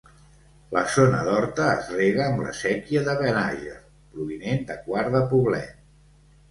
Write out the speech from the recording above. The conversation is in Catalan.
La zona d'horta es rega amb la séquia de Benàger, provinent de Quart de Poblet.